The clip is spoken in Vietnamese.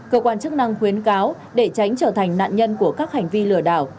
cơ quan chức năng khuyến cáo để tránh trở thành nạn nhân của các hành vi lừa đảo